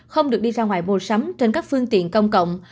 không được đi ra ngoài mua sắm trên các phương tiện công cộng